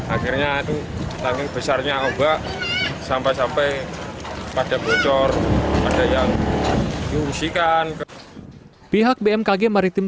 akhirnya itu tangki besarnya ombak sampai sampai pada bocor ada yang diungsikan ke pihak bmkg maritim